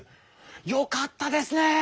よかったですね！